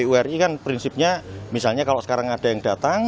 uri kan prinsipnya misalnya kalau sekarang ada yang datang